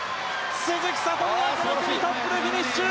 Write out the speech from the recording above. この組トップでフィニッシュ。